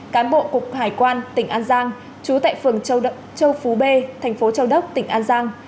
cán bộ cục hải quan tỉnh an giang chú tại phường châu phú b thành phố châu đốc tỉnh an giang